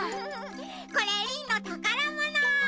これリンのたからもの！